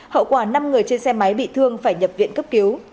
hậu quả năm người trên xe máy bị thương phải nhập viện cấp cứu